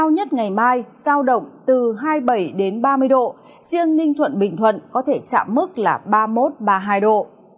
ngày mai giao động từ hai mươi bảy đến ba mươi độ riêng ninh thuận bình thuận có thể chạm mức là ba mươi một ba mươi hai độ